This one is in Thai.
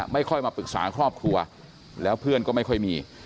ไม่ค่อยมาปรึกษาครอบครัวแล้วเพื่อนก็ไม่ค่อยมี